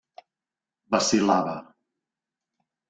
Vacil·lava.